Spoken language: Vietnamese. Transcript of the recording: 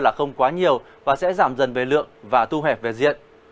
là không quá nhiều và sẽ giảm dần về lượng và thu hẹp về diện